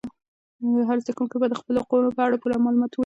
هر زده کوونکی باید د خپلو حقوقو په اړه پوره معلومات ولري.